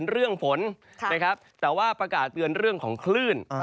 เรื่องฝนนะครับแต่ว่าประกาศเตือนเรื่องของคลื่น